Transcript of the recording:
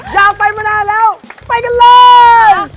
อยากไปมานานแล้วไปกันเลย